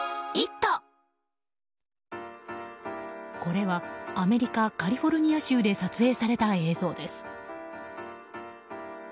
これはアメリカ・カリフォルニア州で撮影された映像です。